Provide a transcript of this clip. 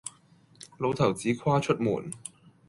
老頭子跨出門，